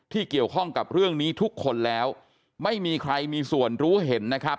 เกี่ยวข้องกับเรื่องนี้ทุกคนแล้วไม่มีใครมีส่วนรู้เห็นนะครับ